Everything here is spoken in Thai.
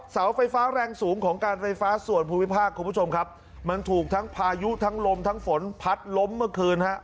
เสาไฟฟ้าแรงสูงของการไฟฟ้าส่วนภูมิภาคคุณผู้ชมครับมันถูกทั้งพายุทั้งลมทั้งฝนพัดล้มเมื่อคืนฮะ